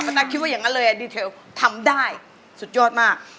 ตั๊กคิดว่าอย่างนั้นเลยดีเทลทำได้สุดยอดมาก